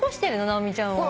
直美ちゃんを。